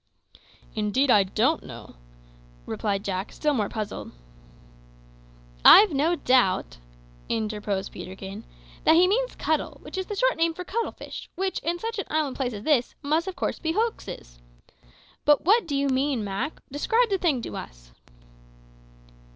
"Indeed, I don't know," replied Jack, still more puzzled. "I've no doubt," interposed Peterkin, "that he means cuttle, which is the short name for cuttle fish, which, in such an inland place as this, must of course be hoaxes! But what do you mean, Mak? Describe the thing to us."